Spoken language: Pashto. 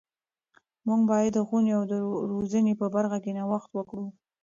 موږ باید د ښوونې او روزنې په برخه کې نوښت وکړو.